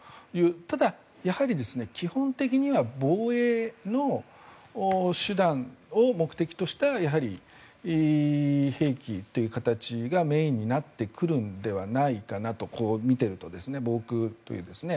ただ、やはり基本的には防衛の手段を目的としたやはり兵器という形がメインになってくるのではないかなと見ていると、防空という。